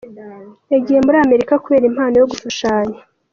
yagiye muri Amerika kubera impano yo gushushanya.